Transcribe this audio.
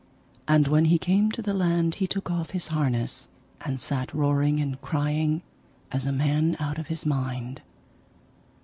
And when he came to the land he took off his harness, and sat roaring and crying as a man out of his mind.